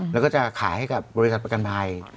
แล้วก็จะขายให้กับบริษัทประกันภัย